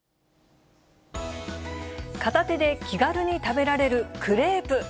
片手で気軽に食べられるクレープ。